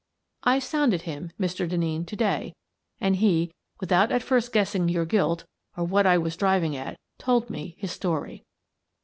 I sounded him, Mr. Denneen, to day and he, without at first guessing your guilt, or what I was driving at, told me his story.